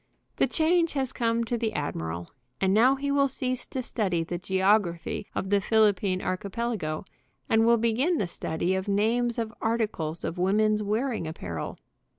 The change has come to the admiral, and now he will cease to study the geography of the Phil ippine archipelago, and will begin the study of names of articles of woman's wearing apparel.